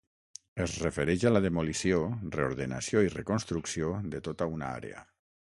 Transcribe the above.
Es refereix a la demolició, reordenació i reconstrucció de tota una àrea.